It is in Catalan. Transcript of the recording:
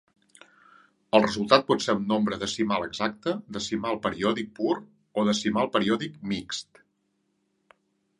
El resultat pot ser un nombre decimal exacte, decimal periòdic pur o decimal periòdic mixt.